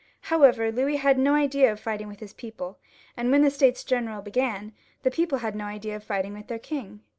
However, Louis had no idea of fighting with his people, and when the States General began, the people had no idea of fighting with their king.